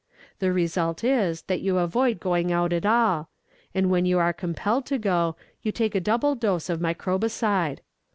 The result is, that you avoid going out at all, and when you are compelled to go, you take a double dose of microbicide.